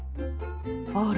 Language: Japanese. あら？